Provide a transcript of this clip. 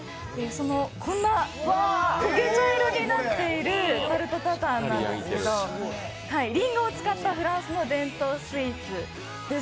こんな焦げ茶色になっているタルトタタンなんですけどりんごを使ったフランスの伝統スイーツです。